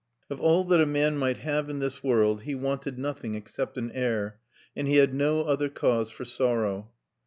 Of all that a man might have in this world, he wanted nothing except an heir, and he had no other cause for sorrow.